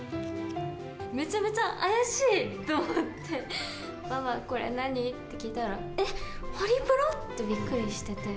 めちゃめちゃ怪しいと思って、ママ、これなーに？って聞いたら、えっ、ホリプロ？ってびっくりしてて。